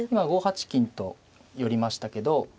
今５八金と寄りましたけど。